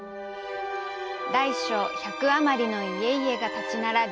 大小１００余りの家々が立ち並び